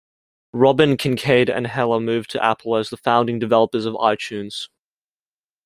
Robbin, Kincaid, and Heller moved to Apple as the founding developers of iTunes.